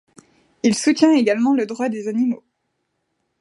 Il soutient également le droit des animaux.